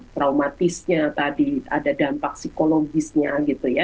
traumatisnya tadi ada dampak psikologisnya